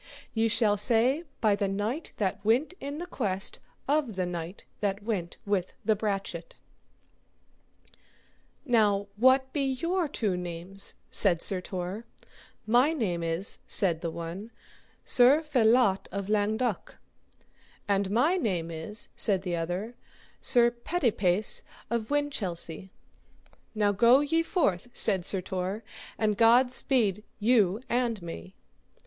Ye shall say by the knight that went in the quest of the knight that went with the brachet. Now, what be your two names? said Sir Tor. My name is, said the one, Sir Felot of Langduk; and my name is, said the other, Sir Petipase of Winchelsea. Now go ye forth, said Sir Tor, and God speed you and me.